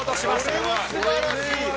これは素晴らしい！